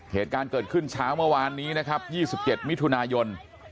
เหตุการณ์เกิดขึ้นเช้าเมื่อวานนี้นะครับ๒๗มิถุนายน